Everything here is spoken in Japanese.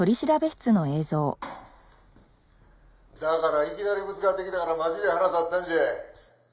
「だからいきなりぶつかってきたからマジで腹立ったんじゃい！」